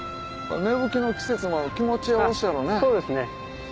芽吹きの季節は気持ちよろしいやろうね。